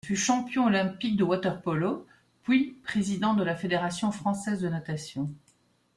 Il fut champion olympique de water-polo, puis président de la Fédération française de natation.